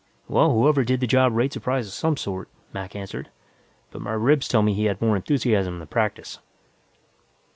"Well, whoever did the job rates a prize of some sort," Mac answered, "but my ribs tell me he had more enthusiasm than practice."